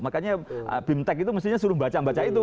makanya bimtek itu mestinya suruh baca baca itu